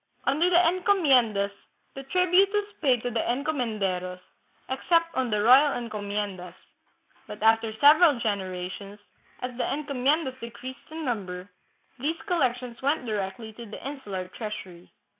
Under the encomiendas the tribute was paid to the encomenderos, except on the royal encomiendas; but after several generations, as the encomiendas decreased in number, these collections went directly to the insular treasury.